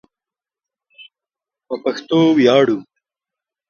په پښتو ویاړو